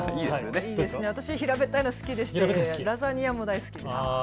私は平べったいの好きでラザニアも大好きです。